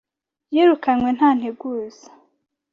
yirukanwe nta nteguza.